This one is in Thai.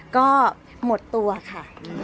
ก็หมดตัวค่ะ